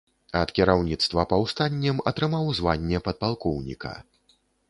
Ад кіраўніцтва паўстаннем атрымаў званне падпалкоўніка.